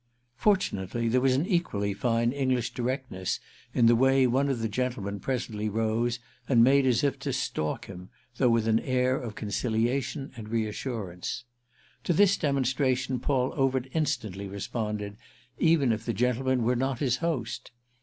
Fortunately there was an equally fine English directness in the way one of the gentlemen presently rose and made as if to "stalk" him, though with an air of conciliation and reassurance. To this demonstration Paul Overt instantly responded, even if the gentleman were not his host.